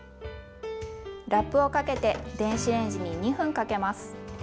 ラップをかけて電子レンジに２分かけます。